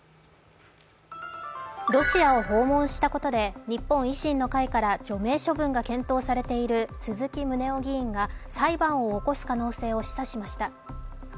ロシアを訪問したことで日本維新の会から除名処分が検討されている鈴木宗男議員が裁判を起こす可能性を示唆しました。